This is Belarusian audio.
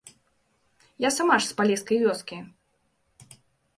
Я сама ж з палескай вёскі!